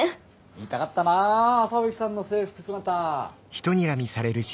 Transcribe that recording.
見たかったな麻吹さんの制服姿。